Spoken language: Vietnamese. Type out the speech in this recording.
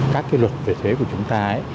các cái luật về thuế của chúng ta